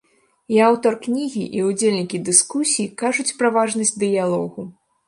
І аўтар кнігі, і ўдзельнікі дыскусій кажуць пра важнасць дыялогу.